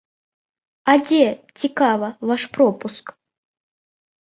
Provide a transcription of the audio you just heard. А дзе, цікава, ваш пропуск?!